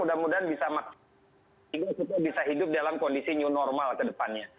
sehingga kita bisa hidup dalam kondisi new normal ke depannya